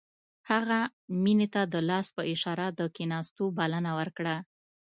هغه مينې ته د لاس په اشاره د کښېناستو بلنه ورکړه.